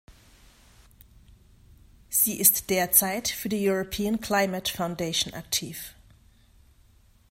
Sie ist derzeit für die European Climate Foundation aktiv.